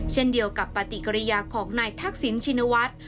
เช่นเดียวกับปฏิกิริยาของนายทักษิณชินวัฒน์